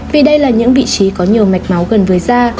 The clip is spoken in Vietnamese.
vì đây là những vị trí có nhiều mạch máu gần với da